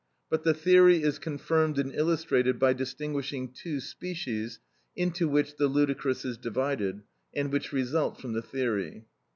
But the theory is confirmed and illustrated by distinguishing two species into which the ludicrous is divided, and which result from the theory.